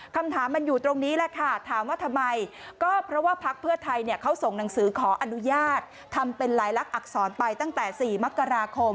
คำถามมันอยู่ตรงนี้แหละค่ะถามว่าทำไมก็เพราะว่าพักเพื่อไทยเขาส่งหนังสือขออนุญาตทำเป็นลายลักษรไปตั้งแต่๔มกราคม